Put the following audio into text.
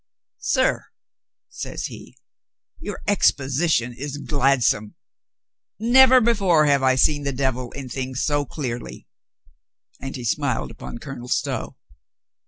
"Sir," says he, "your exposition is gladsome. Never before have I seen the devil in things so clearly," and he smiled upon Colonel Stow.